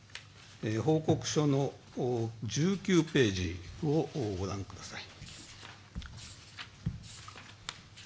報告書の１９ページをご覧ください。